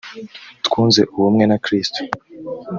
twunze ubumwe na kristo